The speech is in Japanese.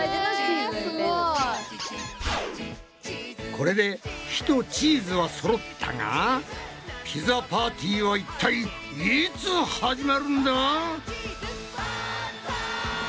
これで火とチーズはそろったがピザパーティーはいったいいつ始まるんだ！？